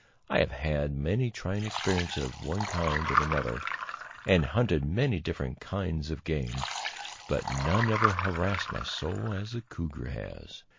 I have had many trying experiences of one kind and another, and hunted many different kinds of game, but none ever harassed my soul as the cougar has.